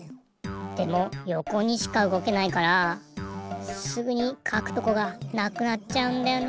でもよこにしかうごけないからすぐにかくとこがなくなっちゃうんだよね。